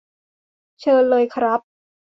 เชิญเลยครับ